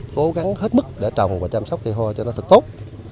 cố gắng hết mức để trồng và chăm sóc cây hoa cho nó thật tốt